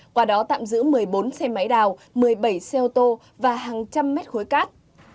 qua đó tạm giữ một mươi bốn xe máy đào một mươi bảy xe ô tô và hàng trăm mét khối cát